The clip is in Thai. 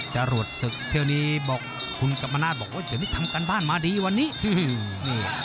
จรวดศึกเที่ยวนี้บอกคุณกรรมนาศบอกว่าเดี๋ยวนี้ทำการบ้านมาดีวันนี้